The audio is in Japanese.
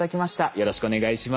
よろしくお願いします。